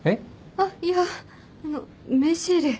あっいや名刺入れ